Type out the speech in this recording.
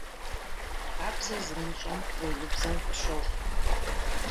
Хабзэ зымыщӏэм уеубзэу къыщохъу.